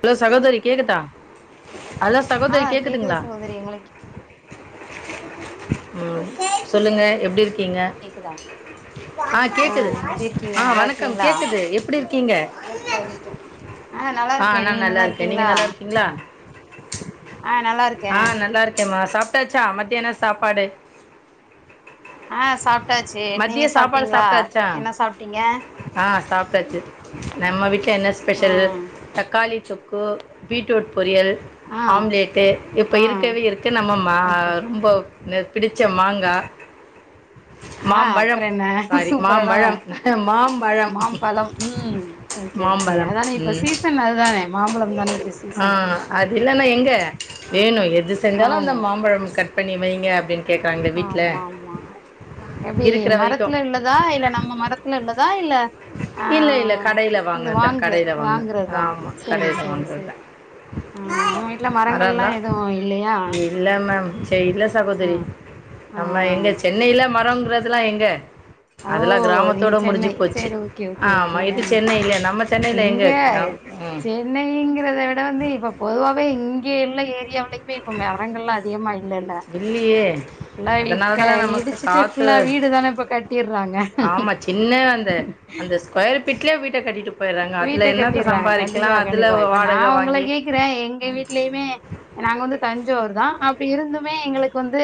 Hello சகோதரி கேக்குதா hello ஆ சகோதரி கேக்குது கேக்குதுங்களா சகோதரி உங்களுக்கு ம் சொல்லுங்க எப்படி இரு கிங்க கேக்குதா ஆ கேக்குது எப்டி இருக்கீங்க ஆ நல்லா வணக்கம் இருக்கீங்களா கேக்குது எப்படி இருக் கிங்க நல்லா ஆ இருக்கே நா நீங்க நல்லா இருக்கே நீங்க இருக்கீங்களா நல்லா இருக்கீங்களா ஆ நல்லா இருக்கே ஆ நல்லா இருக்கேம்மா சாப்பிட்டாச்சா மத்தியன சாப்பாடு ஆ சாப்ட்டாச்சு மத்திய நீங்க சாப்பாடு சாப்ட்டீங்களா சாப்ட்டாச்சா என்ன சாப்ட்டீங்க ஆ சாப்ட்டாச்சு நம்ம வீட்டுல என்ன ஆ ஸ்பெஷல் தக்காளி தொக்கு பீட் ரூட் பொரியல் ஆ ஆம்லேட்டு இப்போ ஆ இருக்கவே இருக்க நம்ம மா ஓகே ரொம்ப ந பிடிச்ச மாங்கா ஆ அப்பற என்ன சூப்பரான மாம்பழம் மாம்பழம் மாம்பழம் ம் ஓகே ஓகே மாம்பழம் அதானே இப்ப ம் சீசன் அதுதானே மாம்பழம் தானே இப்ப ஆ சீசன் அது இல்லன்னா எங்க ஆ வேணு எது செஞ்சாலு அந்த ஆமா மாம்பழம் கட் பண்ணி வைங்கப்படின்னு ஆமா ஆமா எப்டி இருக்கிற வரைக்கும் மரத்துல உள்ளதா இல்ல நம்ம மரத்துல உள்ளதா இல்ல ஆ இல்ல இல்ல கடைல இது வாங்குனதுதா வாங்குற கடைல வாங்ன வாங்குறதா ஆமா சேரி கடைல சேரி வாங்னதுதா சேரி ஆ உங்க வீட்ல மரங்கள்லா மரல்லா எதுவு இல்லையா இல்ல மேம் ச்சே இல்ல ஆ சகோதரி ஆ நம்ம எங்க சென்னைல மரோங்கிறதுலா எங்க ஓ அதெல்லா நீங்க கிராமத்தோட சென்னை முடிஞ்சு போச்சு சேரி ஓகே ஓகே ஓகே ஆமாம் இது ஆ சென்னையில் நம்ம சென்னையில் இங்க எங்கே ம் சென்னைங்கிறத விட வந்து இப்ப பொதுவாவே இ ங்க எல்லா ஏரியா லயுமே இப்ப மரங்கள்லா அதிகமா இ ல்லல்ல இல்லியே எல்லா அதனால வீட்டுக்கு தானே நமக்கு இடிச்சுட்டு காத்து ஃபுல்லா வீடுதான இப்ப கட் ஆமா சின்ன அந்த அந்த ஸ்கொயர் ஃபீட்ல வீட்ட கட்டிட்டு போயிட்றாங்க அதுல வீட்ட என்னத்த கட்டிர்றாங்க சம்பாரிக்கலா கண்டிப்பா அதுல கண்டிப்பா இப்ப நா வாடக உங்கள வாங்கி கேக்குறே எங்க வீடலயுமே நாங்க வந்து தஞ் சாவூர்தா அப்ப இருந்துமே எங்களுக்கு வந்து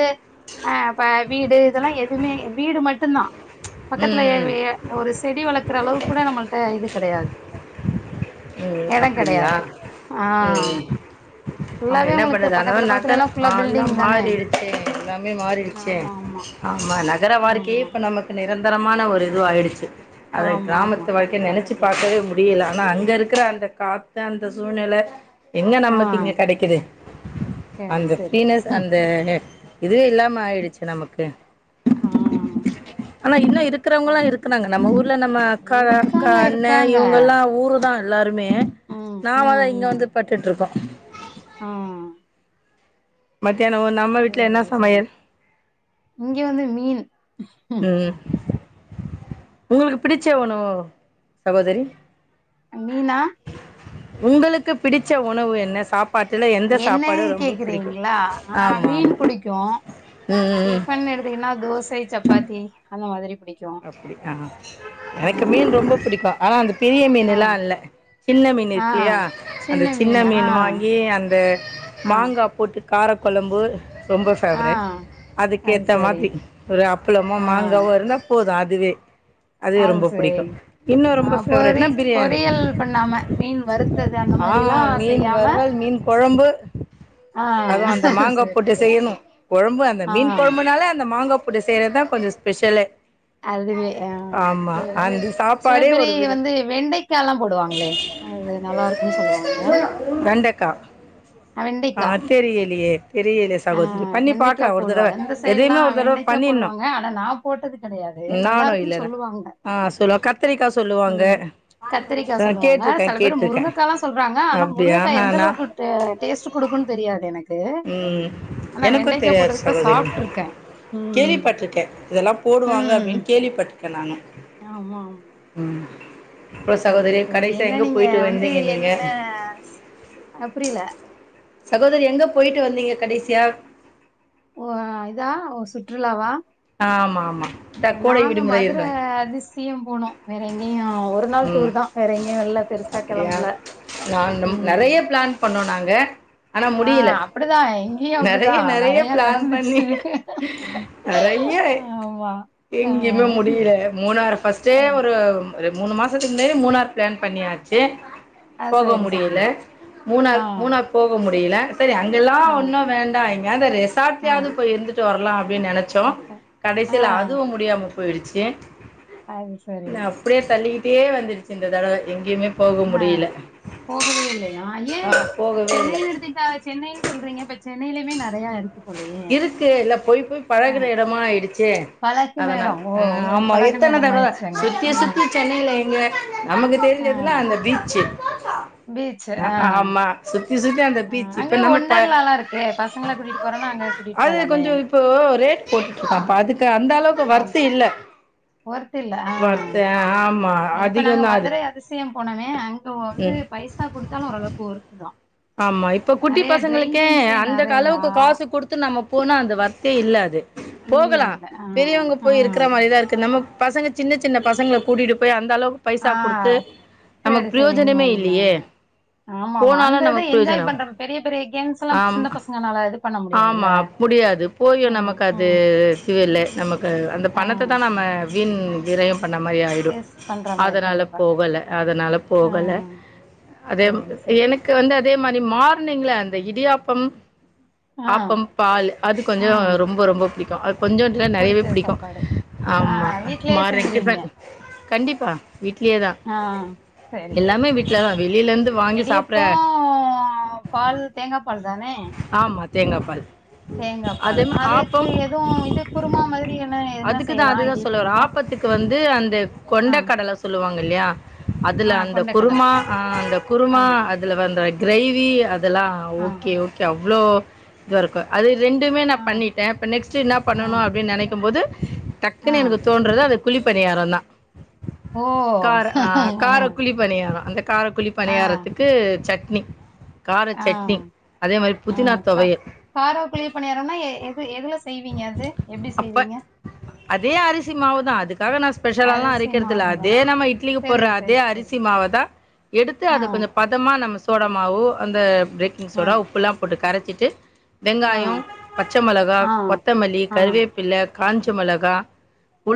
ஆ இப்ப வீடு இதெல்லா எதுமே வீடு மட்டுந்தா பக்கத்துல யே ம் வி ஏ ஒரு செடி வளக்குற அளவுக்கு கூட நம்மள்ட்ட இது கெடையாது ம் எடோ அப்பிடிங்களா கெடையாது ஆ ம் ஆமா ஃபுல்லாவே என்ன உங்களுக்கு பண்றது அதனால பக்கத்துல பக்கத்துல நகர எல்லா ஃபுல்லா ஆ எல்லா பில்டிங் தானே மாறிடுச்சே எல்லாமே மாறிடுச்சே ஆமா ஆமா ஆமா நகர வாழ்க்கையே ஆமா இப்ப நமக்கு நி ரந்தரமான ஒரு இதுவா ஆயிடுச்சு அது ஆமா ஆமா கிராமத்து வாழ்க்க கண்டிப்பா நெனைச்சு கண்டிப்பா பாக்கவே முடியல ஆனா அங்க இரு அந்த காத்து அந்த சூழ்நெல எங்க ஆ நமக்கு இங்க கெடைக்கிது சரி அந்த சரி ஃப்ரீனஸ் அந்த அ இதுவே இல்லாம ஆயிடுச்சு நமக்கு ஆ ஆனா இன்னு இருக்கிறவங்கல்லா இருக்குறாங்க நம்ம ஊர்ல நம்ம அக்கா அக்கா இருக்காங்க அண்ணே இருக்காங்க இவங்கல்லா ஊருதா இன்னுமே ம் நாமதா ம் இங்க வந்து ம் பட்டுட்ருக்கோ ஆ மத் செரிங்க செரிங் இங்க வந்து மீன் ம் உங்களுக்கு பிடிச்ச உணவு சகோதரி மீனா உங்களுக்கு பிடிச்ச உணவு என்ன சாப் என்ன கேக்குறீங்களா ஆ ஆமா ஆமா மீன் புடிக்கு ம் ம் டிஃபன் எடுத்திங்கன்னா தோசை சப்பாத்தி அந்த மாதிரி பிடிக்கு அப்பிடி ஆ ஆ எனக்கு மீன் ரொம்ப புடிக்கு ஆனா அந்த பெரிய ஆ மீன்ல்லா இல்ல சின்ன மீன் ஆ இருக்குல்லையா அந்த சின்ன மீனா ஆ மீன் வாங்கி அந்த ஆ மாங்கா போட்டு காரக்கொழம்பு ரொம்ப ஆ ஃபேவரெட் அது அதுக்கேத்த சரி மாதிரி ஒரு அப்புளமோ ஆ மாங்காவோ இருந்தா போது அதுவே அதுவே அது ரொம்ப சரி புடிக்கு இன்னு ஆ ரொம்ப பொறி ஃபேவரட்னா பிரியாணி பொரியல் பண்ணாம மீன் வறுத்தது அந்த ஆ மாரிலா மீன் செய்யாம வருவல் மீன் கொழம்பு ஆ அதா அந்த மாங்கா சரி போட்டு சரி செய்யணு சரி கொழம்பு அந்த மீன் ஆ கொழம்புனால அந்த மாங்கா புட்டு செய்யறதா கொஞ்ச ஸ்பெஷலே அதுவே ஆ ஆமா சரி சரி அந்த சில சாப்பாடே பேர் ஒரு இங்க வித வந்து வெண்டைக்கால்லா போடுவாங்களே அது நல்லா இருக்குன்னு சொல்லுவாங்க வெண்டைக்காய் வெண்டைக்கா தெரியலே ஆ சகோதரி பண்ணி வெண்டைக்கா பாக்கலா ஒரு தடவ போடுவாங்க இந்த சைட்லா எதையுமே ஒரு தடவ வெண்டைக்கா பண்ணினு போடுவாங்க ஆனா நா போட்டது கெடையாது நல்லா இருக்கு சொல்லுவாங்க கத்திரிக்காய் சொல்லுவாங்க ம் கத்திரிக்கா ஆ சொல்லுவாங்க செல கேட்டிருக்கேன் பேரு கேட்டிருக்கேன் முருங்கக்கால்லா சொல்றாங்க ஆனா அப்படியா முருங்கக்கா எந்த நான் அளவுக்கு டேஸ்ட் குடுக்குன்னு தெரியாது எனக்கு ம் ஆனா எனக்கு வெண்டைக்கா தெரியாது போட்டது கூட சகோதரி சாப்ட்ருக்கே ம் கேள்விப்பட்டிருக்கே இதெல்லா போடுவாங்க ம் அப்பிடின் கேள்விப்பட்ருகே க்க நானு ஆமா ஆமா அப்புறம் சகோதரி சரிங்க தோழி கடைசியாக என்ன எங்கே நீங்க போயிட்டு வந்து வந்தீங்க என்ன நீங்கள் அ புரியல சகோதரி எங்க போயிட்டு வந்தீங்க கடைசியா ஓ இதா ஓ சுற்றுலாவா ஆமா ஆமா நாங்க மதுரை டிஷ் தியம் போனு வேற எங்கியு அ ஒரு நாள் ம் டூர்தா வேற எங்கயு வெள்ல பெருசா அப்படியா கெளம்புல ம் க ஆனா ஆ முடியல அப்டிதா இங்கேயு அப்டிதா நெறைய நெறைய பிளான் பண்ணி நடந்துச்சு நெறைய ஆமா ஆ எங்கேயுமே முடியல மூணாரு ஃபர்ஸ்டே ஒரு அது மூணு மாச தத்துக்கு முன்னே மூணார் பிளான் பியாச்சு ஆ போக சரி சரி முடியல ஆ மூணார் மூணார் போக முடியல சேரி அங்கெல்லா ஆ ஒன்னு வேண்டா யாந்த [unintelligible] ஆ சாப்பிட்டியாவது போய் இருந்துட்டு வரலா அப்படின் நினைச் சோ ஆ கடைசியில் அதுவு முடியாம போயிடுச்சு அது சரி ந அப்படியே தள்ளி பே வந்துருச்சு இந்த தடவ எங்கேயுமே அ முடியல போகவே இல்லையா ஏ ஆ இப்ப போகவே இல்ல சென்னையன்னு எடுத்திட்டா சென்னைன்னு சொல்றீங்க இப் சென்னையிலயுமே நெறையா இருக்கு போலயே இருக்கு இல்ல போய் போய் ஆ பழகன இடமா ஆயிடுச்சு பழகின அதனால இடம். ஓ! அ உங்களுக்கு ஆமா பழகின எத்தன இடம் தடவ ஆயிடுச்சு அங்க. சுத்தி ஆ, சுத்தி சென்னையில எங்க நமக்கு ஆ. தெரிஞ்சதுல்லா அந்த பீச்சு பீச். அ ஆ, ஆமா சுத்தி அந்த ஆ பீச் அங்க இப்ப நம்ம ப ஒண்டர்லாலா இருக்கே பசங்கள கூட்டிட்டு போறேன்னா அங் அது கொஞ்சோ இப்போ ரேட் போட்டுட்டு ஆ, இருக்கான்ப்ப அதுக்கு அந்த அளவுக்கு வொர்க் இல்ல வொர்க் இல்ல ஆ வர்த்து ஆமா இப்ப நாங்க அதிகந்தா அது மதுரை அதிசய போனவே அங் இங்க வந்து ம் பைசா கொடுத்தாலு ஓரளவுக்கு ஒர்த்து தா ஆமா இப்ப குட்டி பசங்களுக்கே அந்த நெறையா அளவுக்கு காசு கொடுத்து நம்ம போனா அந்த வொர்த்தே இல்ல அது இல்ல, போகலா இல்ல. ஆ, பெரியவங்க ஆ. போய் இருக்கற மாரிதா இருக்கு நம்ம பசங்க சின்ன சின்ன பசங்களை கூட்டிட்டு போய் அந்த அளவுக்கு பைசா ஆ. கொடுத்து நமக்கு சரி, சரி. உண்ம, பிரயோஜனமே உண்ம, இல்லையே உண்ம. ஆமாமா. போனாலு அந்த இத நமக்கு என்ஜாய் பிரயோஜனம் பண்ற பெரிய பெரிய கேம்ஸ் எல்லா சின்ன ஆமா பசங்க நாலாக்கு ஆமா முடியாது போயும் ம், நமக்கு அது ம். [unintelligible] நமக்கு அந்த ஆ. பணத்த தா நம்ம வீன் விரம் பண்ண மாதிரி ஆயிடும் பேஸ் பண்ற மாதிரி அதனால் கண்டிப்பா போகலை கண்டிப்பா அதனால் ஆ போகலை அதே சரி சரி எனக்கு வந்து அதே மாதிரி மார்னிங்கில் அந்த இடியா ம் ஆ ஆப்பம் பால் அது கொஞ்சம் ம் ரொம்ப ரொம்ப பிடிக்கும் கொஞ்சோம் இல்லாம் நிறையவே புடிச்ச பிடிக்கும் சாப்பாடு ஆ ஆமாம் வீட்லயே மார்னிங் டிஃபன் கண்டிப்பாக ஆஹ் சரி சரி எல்லாமே சரி வீட்ல தான். வெளியிலருந்து வாங்கி சாப்பிட இடியப்போ பால் தேங்காய் பால் தானே தேங்கப்பால் தேங்கா அத பால் அதுக்கு ஆப்பம் எதுவும் இது குருமா மாதிரி என்ன என்ன அதுக்குதான் செய்யலாம் அதுதான் சொல்லவறேன் இடியப்பத்துக்கெல்லாம் ஆப்பத்துக்கு வந்து அந்த ஆ கொண்டை கடலை சொல்லுவாங்க இல்லையா ஆ அதுல அந்த கொண்டக்கடலை குருமாஹ அந்த ஆ குருமா அதுல வந்த கிரேவி அதெல்லாம் ஆ ஓகே ஓகே இவ்வளோ தறக்கும் அது ரெண்டுமே ஆ நான் பண்ணிட்டேன் நெக்ஸ்ட்டு நான் ஆ பண்ணணு அப்டின்னு நெனைக்கும் போது ஆ டக்குன்னு எனக்கு தோன்றது அது குழி பணியாரம் தான் ஓ கார ஆ கார குழி பணியாரம் அந்த ஆ காரக்குழிபணியாரத்துக்கு சக்க கார ஆ ஆ சட்னி அதே மாரி ஆ புதினா கா தொக்கு காரா குழி பணியாரம்னா எ எது எதுல செய்வீங்க அது எப்டி அப்ப செய்வீங்க அதே அரிசி மாவு தான் அதுக்காக நா ஸ்பெஷலால்லா அரிசி அரைக்கறது இல்ல மாவுலதா அதே நம்ம இட்லிக்கு சரி போட்ற அதே சரி சரி அரிசி மாவ தா எடுத்து ஆ அத கொஞ்ஜோ பதமா நம்ம சோடா மாவு அந்த பேக்கிங் ஆ சோடா உப்புல்லா போட்டு கரைச்சு சிட்டு ஆ வெங்காயோம் பச்ச மெளகா ஆ கொத்தமல்லி ஆ கருவேப்பில்ல காஞ்ச மெளகா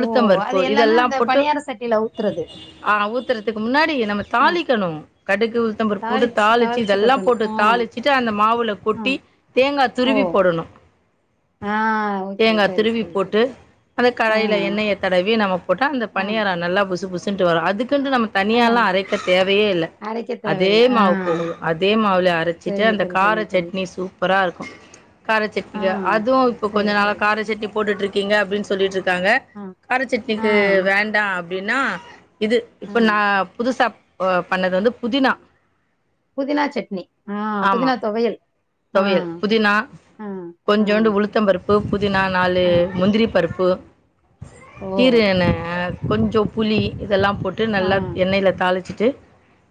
ஓ அது பருப்பு எல்லாமே அந்த இதெல்லாம் போட்டு பணியார சட்டில ஊத்துறது ஆ ஊத்துற முன்னாடி நம்ம ஆ தாளிக்கணு கடுகு உளுத்தம்பருப்பு போட்டு தாளிச்சு இதெல்லா போட்டு தாளிச்சிட்டு அந்த மாவுல ஆ கொட்டி தேங்கா ஓ துருவி போடணும் ஆ ஓகே தேங்கா சரி துருவி சரி சரி போட்டு அந்த ஆ கடாயில எண்ணெய தடவி நம்ம போட்டா அந்த ஆ பனியாரோ நல்லா புஸ் புஸ்சின்ட்டு வரும் அது அதுக்குன்ட்டு நம்ம ஆ தனியால்லா அரைக்க தேவையே இல்ல அரைக்க அதே தேவல்ல ஆ மாவு போது அதே மாவுல அரைச்சிட்டு சரிங்க அந்த தோழி கார சரிங்க தோழி சட்னி சூப் சூப்பரா இருக்கு ஆ காரச்சட்னிக்கா அதுவு இப்ப கொஞ்ச சரி நாளா சரி காரச்சட்னி போட்டுட்டு இருக்கிங்க அப்டின்னு சொல்லிட்டுருக் காங்க ஆ கார ஆ சட்னிக்கு வேண்டா அப் டினா இது ஆ இப்ப நா புதுசா ஓ பண்ணது வந்து புதினா புதினா சட்னி ஆ புதினா தொவையல் ஆ தொவையல் புதினா ஆ ஆ கொஞ்சோண்டு உளுத்தம் பருப்பு புதினா நாலு ஆ முந்திரிப் பருப்பு ஓ கீரு என்ன கொஞ்சோ புளி இதெல்லா போட்டு ஆ நல்ல எண்ணயில தாளி ச்சிட்டு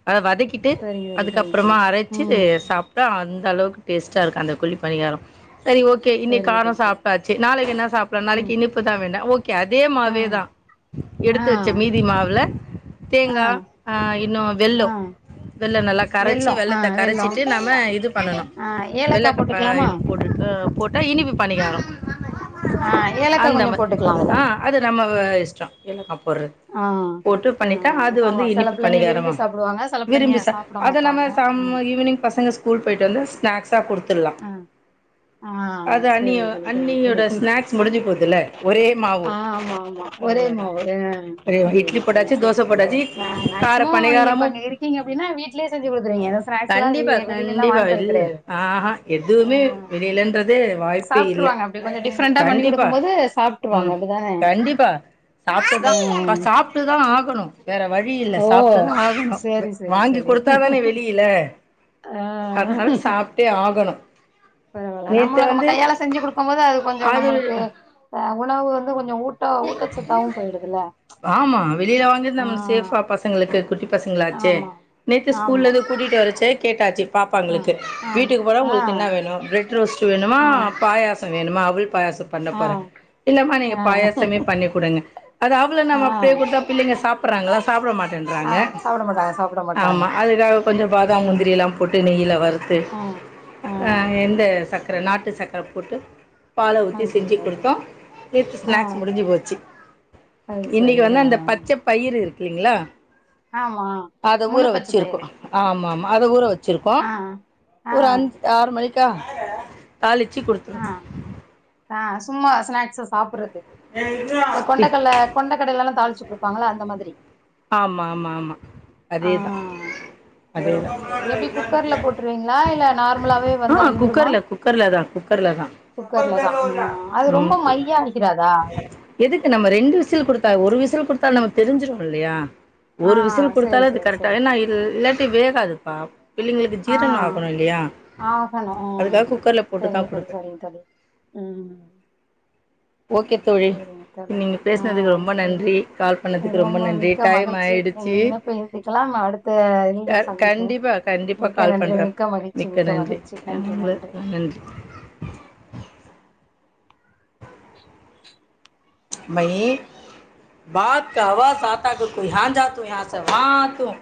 அத வதக் கிட்டு சரிங்க தோழி சரிங்க அதுக்கப்புறமா தோழி அரைச்சி ம் சாப்ட்டா அந் தளவுக்கு டேஸ்ட்டா இருக்கு அந்த குலி பணையாரம் சரி ஓகே இன்னைக்கு சரிங்க காரம் தோழி சரிங்க சாப்ட்டாச்சி நாளைக்கு என்னா சாப்பட ம் நாளைக்கு இனிப்புதா வேண்டா ஓகே அதே ஆ மாவேதா ஆ எடுத்து வச்ச மீதி மாவுல ஆ தேங்கா ஆ இன்னும் ஆ வெள்ளம் வெள்ளம் நல்லா கரைச்சி வெல்லோ ஆ வெள்ளத்த வெல்லோ கரைச்சிட்டு நம்ம இது பண்ணணும் ஆ ஏலக்கா வெள்ளக்கப்பா போட்டுக்கலாமா இது போட்டுருக்கு போட்டா இனி பணிகாரம் ஆ ஏலக்கா அந்த கொஞ்சோ மா போட்டுக்கலா அதுல ஆ அது நம்ம வ இஷ்டம் என்னு காப் ஒரு ஆ போட்டு ஆ பண்ணிட்டா அது வந்து ஆமா சில இனிப்பு பிள்ளைங்க விரும்பி பண்ணிகரமா சாப்டுவாங்க சில பிள்ளைங்க விரும்பி சா சாப்ட அத நம்ம மாட்டாங்க சம்ம ம் ஈவினிங் பசங்க ஸ்கூல் போயிட்டு வந்து கொடுத்து ஆ ஆ அண்ணிய செரிங்க தோழி செரிங்க அண்ணியோட தோழி ஸ்நாக்ஸ் முடிஞ்சு போதுல்ல ஒரே மாவு ஆ ஆமா ஆமா ஒரே அவ்ளோதா மாவு ம் ஒரே இட்லி செரிங்க தோழி போட்டாச்சு செரி தோச போட்டாச்சு ஆ கார மேக்ஸிமம் நீங்க இப்ப பணிகாரமு அங்க இருக்கீங்க அப்டின்னா வீட்லே செஞ்சி குடுத்துருவிங்க இந்த ஸ்னாக்ஸ்லா கண்டிப்பா, வெளிய வெளிலலா கண்டிப்பா. வாங்கறது இல் கெடையாது ஆஹா ஆ எதுவுமே வெளியலன்ற தே வாய்ப்பே இல்ல சாப்ட்ருவாங்க அப்டி கொஞ்சோ டிஃப்ரெண்டா பண்ணி கண்டிப்பா குடுக்கும் போது சாப்ட்ருவாங்க ம் அப்டிதானே கண்டிப்பா சாப்ட்டுதா ஆ த சாப்ட்டுதா ஆகணும் வேற வழியில்ல ஓ சாப்ட்டுதா ஆகனு வ சேரி சேரி வாங்கி சேரி குடுத்தாதானே வெளியில அதனால சாப் பரவால நம்மள நம்ம வந்து கையால செஞ்சு கொடுக்குமீ போது அது கொஞ்சோ நம்மளுக்கு ஆ உணவு வந்து கொஞ்சோ ஊட்ட ஊட்டச்சத்தாவு போயிடுதுல்ல ஆமா வெளியில வாங்கிட்டு ஆ நம்மளுக்கு சேஃபா பச பசங்களுக்கு குட்டி பசங்களாச்சு ஆமா நேற்று ஸ்கூல்ல ஆமா இருந்து கூட்டிட்டு வர சே கேட்டாச்சு ஆமா ஆ பாப்பாங்களுக்கு ஆ வீட்டுக்கு போனா ஆ உங்களுக்கு என்ன வேணு ப்ரெட் ரோஸ்ட் வேணுமா ஆ பாயச வேணுமா அவுள் பாயாச பண்ண போறே இல்லாம நீங்க ஆ பாயாச [unintelligible] பண்ணி கொடுங்க அது அவுள ஆ நம்ம அப்படியே ஆ கொடுத்தா பிள்ளைங்க சாப் ப்றாங்களா சாப்பிட மாட் ஆ ன்றறாங்க சாப்பிட மாட்டாங்க சாப்பிட மாட்டாங்க. ஆமா அதுக்காக கொஞ்சோ பாதாம் ம். முந்திரி எல்லா போட்டு நெயில வருத் து ஆ. ஆ. அ எந்த ச க்கிற நாட்டு சக்கர போட்டு பால ஊத்தி நன்றி, செஞ்சு நன்றி. கொடுத்தோ நேற்று ஆ. ஸ்நாக்ஸ் முடிஞ்சு போச்சு அது இன்னைக்கு சரி. வந்து ஆ. அந்த பச்ச பயிர் இருக் இல்லைங்களா ஆமா. அத ஊற முழு பச்ச வச்சிருக்கோ பயிறு. ஆமாம் அத ஊற வச் ச்சிருக்கோ ஆ. ஆ. ஒரு அஞ்சு ஆறு மணிக் க தாளிச்சு ஆ. கொடுத்துடுவோ ஆ சும்மா ஸ்நாக்ஸ சாப்பறது இந்த கொண்டைக்கடல கொண்டைக்கடையிலல்லா தாளிச்சு கொடுப்பாங்களா அந்த மாதிரி ஆமா ஆமா ஆமா ஆ. அதேதா அதேதா சரி, சரி. எப்டி குக்கர்ல போட்டுருவீங்களா? இல்ல நார்மலாவே ஆ வெந்தா வெந்துருமா? குக்கர்ல குக்கர்ல தா குக் குக்கர்லதா குக்கர்ல தான். ஆ அது ரொம்ப ம் மையா அடிக்கிறாதா? எதுக்கு நம்ம ரெண்டு விசில் குடுத்தா ஒரு விசல் குடுத்தா நம் தெரிசிரு இல்லையா ஆ ஒரு விசில் சரி, குடுத்தாலு அது சரி, கரெக்டா சரி. ஏன்னா இல் இல்லாட்டி வேகாதுப்பா பிள்ளைங்களுக்கு ஆ ஜீரணம் ஆகணும் இல்லையா ஆகணு ம் அதுக்காக குக்கரில் போட்டு சரிங்க தான் தோழி கொடுப்பேன் சரிங்க தோழி ம் ஓகே தோழி சரிங்க தோழி நீங்க ஆ பேசனதுக்கு ரொம்ப சரி நன்றி கால் பண்ணதுக்கு ரொம்ப நன்றி மிக்க டைம் மகிழ்ச்சி ஆயிடுச்சி எங்கள் இணைப்பை நிறுத்திக்கலாம் அடுத்த க இதில் சந்திப்போம் கண்டிப்பா கண்டிப்பா மிக்க கால் நன்றி பண்றே மிக்க மகிழ்ச்சி மிக்க நன்றி மகிழ்ச்சி நன்றி உங்கள நன்றி மை பாத்கவா சத்தாக்ஹு குய் ஹான் த்தா துயாஹ ஷவான் தும்